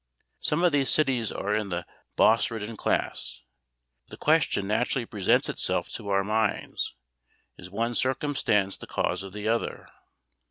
Some of these cities are in the boss ridden class. The question naturally presents itself to our minds, is one circumstance the cause of the other?